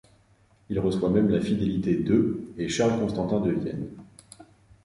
Il reçoit même la fidélité de et Charles-Constantin de Vienne.